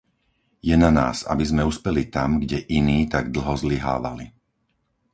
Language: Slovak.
Je na nás, aby sme uspeli tam, kde iní tak dlho zlyhávali.